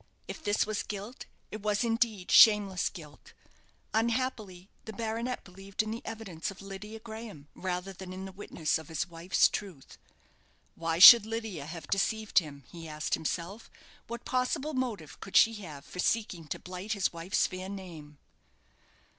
If this was guilt, it was, indeed, shameless guilt. Unhappily, the baronet believed in the evidence of Lydia Graham, rather than in the witness of his wife's truth. Why should Lydia have deceived him? he asked himself. What possible motive could she have for seeking to blight his wife's fair name?